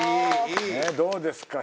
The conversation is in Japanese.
いどうですか？